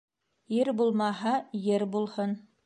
Ир булмаһа, ер булһын.